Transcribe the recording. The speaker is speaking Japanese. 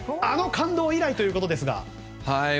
あの感動以来ということですが。